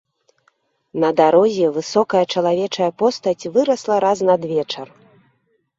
На дарозе высокая чалавечая постаць вырасла раз надвечар.